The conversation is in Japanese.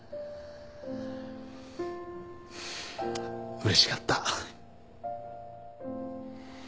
うれしかった。